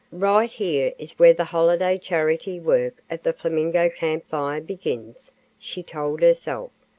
"Right here is where the holiday charity work of the Flamingo Camp Fire begins," she told herself.